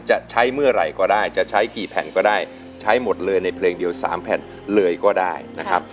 จะใช้เมื่อไหร่ก็ได้จะใช้กี่แผ่นก็ได้ใช้หมดเลยในเพลงเดียว๓แผ่นเลยก็ได้นะครับ